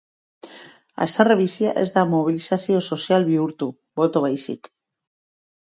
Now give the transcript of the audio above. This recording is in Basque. Haserre bizia ez da mobilizazio sozial bihurtu, boto baizik.